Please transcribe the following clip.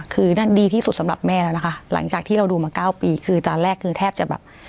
คือนั่นดีที่สุดสำหรับแม่แล้วนะคะหลังจากที่เราดูมาเก้าปีคือตอนแรกคือแทบจะแบบ